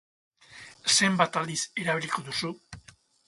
Zenbat aldiz erabiliko duzu?